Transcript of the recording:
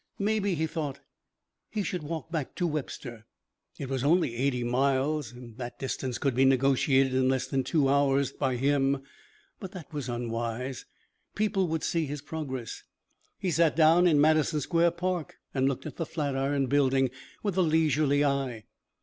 Maybe, he thought, he should walk back to Webster. It was only eighty miles and that distance could be negotiated in less than two hours by him. But that was unwise. People would see his progress. He sat down in Madison Square Park and looked at the Flatiron Building with a leisurely eye.